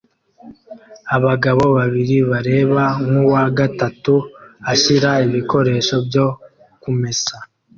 Abagabo babiri bareba nkuwa gatatu ashyira ibikoresho byo kumesa